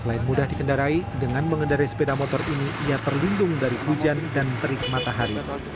selain mudah dikendarai dengan mengendarai sepeda motor ini ia terlindung dari hujan dan terik matahari